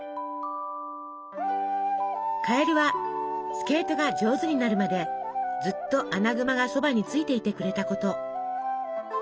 カエルはスケートが上手になるまでずっとアナグマがそばについていてくれたこと。